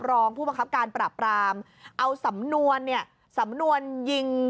รองผู้บังคับการปราบรามเอาสำนวนเนี่ยสำนวนยิง